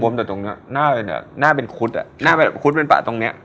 แต่ตรงเนี้ยหน้าเป็นหน้าเป็นคุดอ่ะหน้าคุดเป็นป่าตรงเนี้ย